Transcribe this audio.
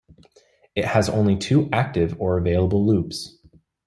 It has only two active or available loops.